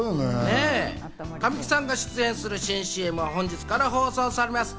神木さんが出演する新ＣＭは本日から放送されます。